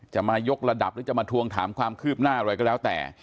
จะมายกระดับหรือจะมาทวงถามความคืบหน้าอะไรก็แล้วแต่